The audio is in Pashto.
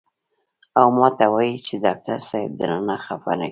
او ماته وائي چې ډاکټر صېب درنه خفه نشي " ـ